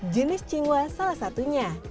jenis cingwa salah satunya